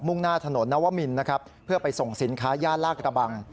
่งหน้าถนนนวมินนะครับเพื่อไปส่งสินค้าย่านลากระบัง